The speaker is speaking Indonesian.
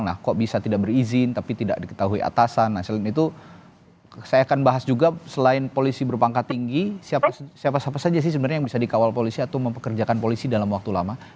nah kok bisa tidak berizin tapi tidak diketahui atasan selain itu saya akan bahas juga selain polisi berpangkat tinggi siapa siapa saja sih sebenarnya yang bisa dikawal polisi atau mempekerjakan polisi dalam waktu lama